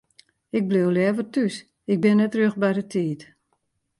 Ik bliuw leaver thús, ik bin net rjocht by de tiid.